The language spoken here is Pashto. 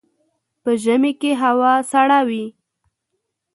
په ژمي کي هوا سړه وي.